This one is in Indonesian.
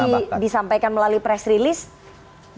tadi disampaikan melalui press release